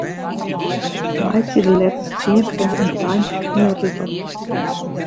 Meitsje de letters tsien punten Times yn 'e rigel.